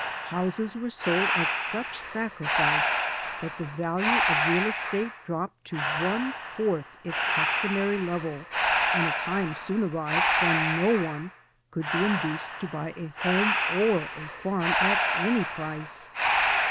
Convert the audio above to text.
Houses were sold at such sacrifice that the value of real estate dropped to one fourth its customary level, and a time soon arrived when no one could be induced to buy a home or a farm at any price.